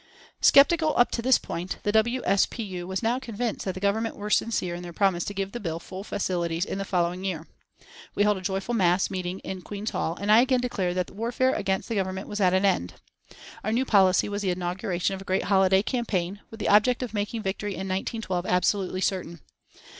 Sceptical up to this point, the W. S. P. U. was now convinced that the Government were sincere in their promise to give the bill full facilities in the following year. We held a joyful mass meeting in Queen's Hall and I again declared that warfare against the Government was at an end. Our new policy was the inauguration of a great holiday campaign, with the object of making victory in 1912 absolutely certain.